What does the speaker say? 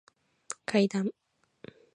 階段